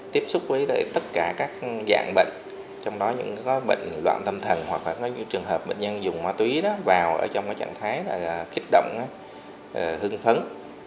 tiếp xúc với tất cả các dạng bệnh trong đó những bệnh loạn tâm thần hoặc trường hợp bệnh nhân dùng ma túy vào trong trạng thái kích động hưng phấn